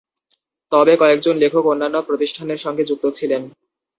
তবে কয়েকজন লেখক অন্যান্য প্রতিষ্ঠানের সঙ্গে যুক্ত ছিলেন।